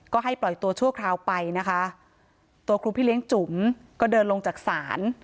ก็ให้ปล่อยตัวชั่วคราวไปนะคะตัวครูพี่เลี้ยงจุ๋มก็เดินลงจากศาล